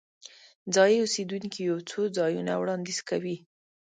ځایي اوسیدونکي یو څو ځایونه وړاندیز کوي.